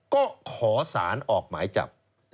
ก็ขอสารออกหมายจับ